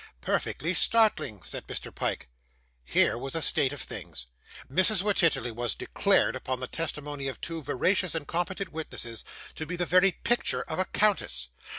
'Perfectly startling,' said Mr. Pyke. Here was a state of things! Mrs. Wititterly was declared, upon the testimony of two veracious and competent witnesses, to be the very picture of a countess!